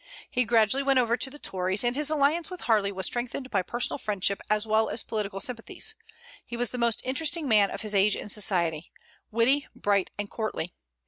He gradually went over to the Tories, and his alliance with Harley was strengthened by personal friendship as well as political sympathies. He was the most interesting man of his age in society, witty, bright, and courtly.